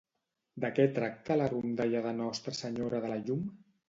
De què tracta la rondalla de Nostra Senyora de la Llum?